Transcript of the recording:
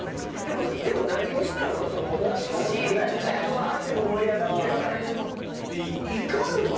ワーッて盛り上がってる感じも。